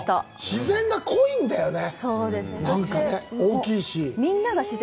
自然が濃いんだよね。